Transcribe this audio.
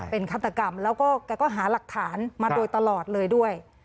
เป็นฆาตกรรมแล้วก็แกก็หาหลักฐานมาโดยตลอดเลยด้วย